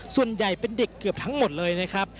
ส่วนใหญ่เป็นเด็กเกือบทั้งหมดเลยนะครับ